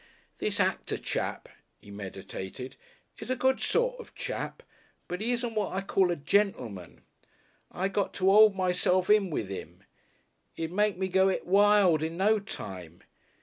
"This actor chap," he meditated, "is a good sort of chap. But 'e isn't what I call a gentleman. I got to 'old myself in with 'im. 'E'd make me go it wild in no time.